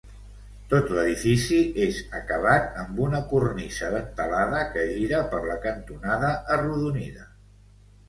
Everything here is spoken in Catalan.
Tot l'edifici és acabat amb una cornisa dentelada que gira per la cantonada arrodonida.